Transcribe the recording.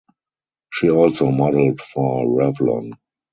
She also modeled for Revlon.